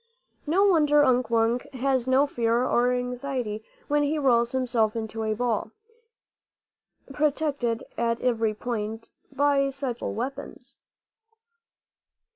No wonder Unk Wunk has no fear or anxiety when he rolls himself into a ball, protected at every point by such terrible weapons.